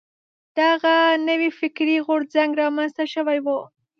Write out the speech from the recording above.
دغه نوی فکري غورځنګ را منځته شوی و.